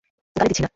গালি দিচ্ছি না।